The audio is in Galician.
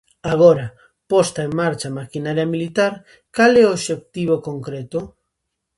Agora, posta en marcha a maquinaria militar cal é o obxectivo concreto?